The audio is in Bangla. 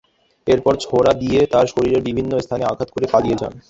এরপর ছোরা দিয়ে তাঁর শরীরের বিভিন্ন স্থানে আঘাত করে পালিয়ে যান।